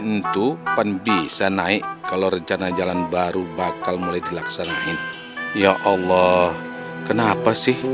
untuk pan bisa naik kalau rencana jalan baru bakal mulai dilaksanakan ya allah kenapa sih